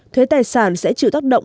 thuế tài sản sẽ chịu tác động